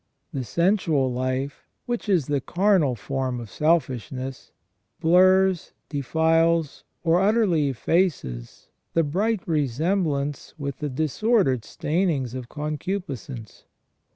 The sensual life, which is the carnal form of selfishness, blurs, defiles, or utterly effaces the bright re semblance with the disordered stainings of concupiscence.